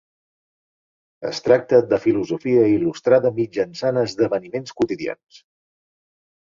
Es tracta de filosofia il·lustrada mitjançant esdeveniments quotidians.